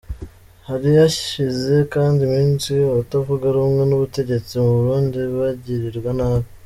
Hari hashize kandi iminsi abatavuga rumwe n’ubutegetsi mu Burundi bagirirwa nabi.